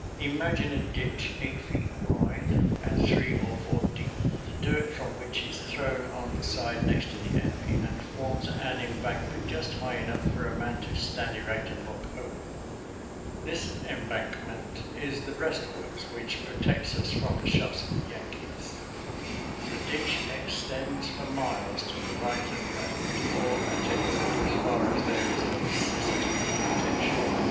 Imagine a ditch eight feet wide and three or four deep, the dirt from which is thrown on the side next to the enemy and forms an embankment just high enough for a man to stand erect and look over. This embankment is the breastworks which protects us from the shots of the Yankees. The ditch extends for miles to the right and left, or, at any rate, as far as there is a necessity for protection.